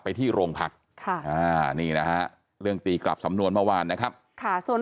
ไปที่โรงพักษณ์เรื่องตีกลับสำนวนเมื่อวานนะครับข่าวส่วน